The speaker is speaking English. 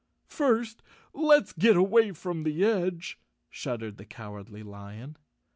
"First, let's get away from the edge," shuddered the Cowardly Lion.